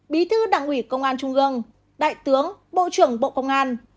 bí thư đảng ủy công an trung gương đại tướng bộ trưởng bộ công an